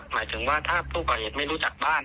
หมายถึงว่าถ้าผู้ก่อเหตุไม่รู้จักบ้าน